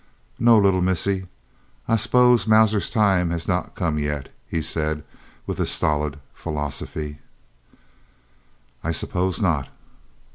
"No, little Missie. I 'spose Mauser's time had not come yet," he said, with stolid philosophy. "I suppose not."